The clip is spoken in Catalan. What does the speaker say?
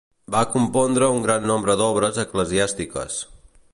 Va compondre un gran nombre d'obres eclesiàstiques.